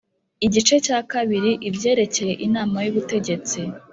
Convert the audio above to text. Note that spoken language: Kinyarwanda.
Igice cya kabiri Ibyerekeye Inama y Ubutegetsi